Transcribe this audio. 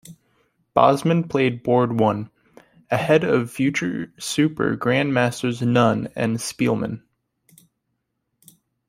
Basman played Board One, ahead of future super Grandmasters Nunn and Speelman.